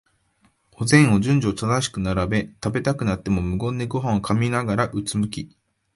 お膳を順序正しく並べ、食べたくなくても無言でごはんを噛みながら、うつむき、